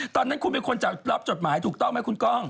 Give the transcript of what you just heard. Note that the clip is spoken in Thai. ตอนนั้นคุณเป็นคนจะรับจดหมายถูกต้องไหมคุณกล้อง